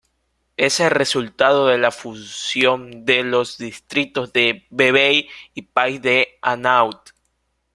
Es el resultado de la fusión de los distritos de Vevey y Pays-d'Enhaut.